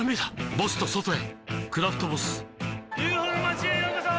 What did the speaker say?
ボスと外へ「クラフトボス」ＵＦＯの町へようこそ！